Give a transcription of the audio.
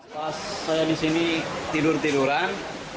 pas saya di sini tidur tiduran